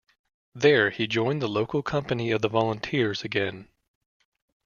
There he joined the local company of the Volunteers again.